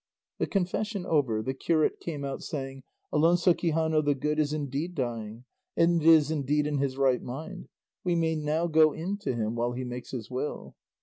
The confession over, the curate came out saying, "Alonso Quixano the Good is indeed dying, and is indeed in his right mind; we may now go in to him while he makes his will."